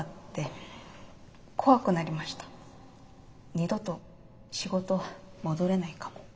二度と仕事戻れないかも。